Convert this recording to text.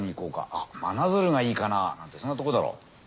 あっ真鶴がいいかななんてそんなとこだろう。